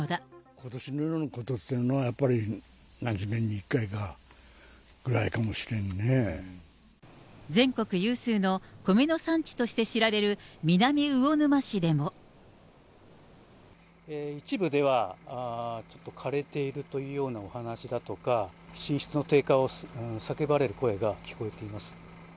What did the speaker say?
ことしのようなことというのはやっぱり何十年に一回かぐらい全国有数の米の産地として知一部では、ちょっと枯れているというようなお話だとか、品質の低下を叫ばれる声が聞こえています。